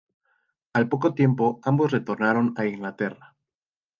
Al poco tiempo ambos retornaron a Inglaterra.